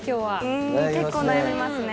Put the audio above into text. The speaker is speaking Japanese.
うん結構悩みますね。